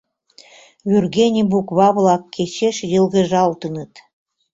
Вӱргене буква-влак кечеш йылгыжалтыныт.